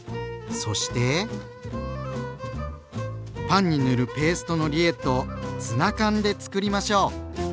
そしてパンに塗るペーストのリエットをツナ缶でつくりましょう。